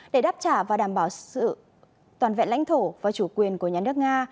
để đáp trả và đảm bảo sự toàn vẹn lãnh thổ và chủ quyền của nhà nước nga